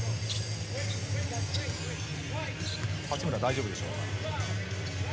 八村、大丈夫でしょうか。